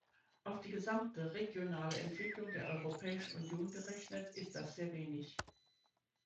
Auf die gesamte regionale Entwicklung der Europäischen Union gerechnet ist das sehr wenig.